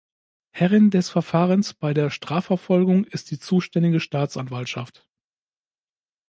Herrin des Verfahrens bei der Strafverfolgung ist die zuständige Staatsanwaltschaft.